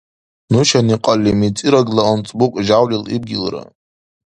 Нушани кьалли мицӀирагла анцӀбукь жявлил ибгилра.